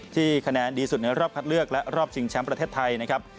คะแนนดีสุดในรอบคัดเลือกและรอบชิงแชมป์ประเทศไทยนะครับ